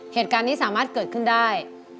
เหตุการณ์นี้สามารถเกิดขึ้นได้